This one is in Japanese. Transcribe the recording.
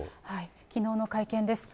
きのうの会見です。